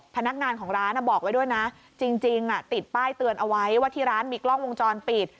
พนักงานของร้านบอกไว้ด้วยนะจริงติดป้ายเตือนเอาไว้ว่าที่ร้านมีกล้องวงจรปิด